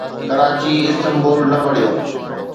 Karachi Istanbul نه بڻيو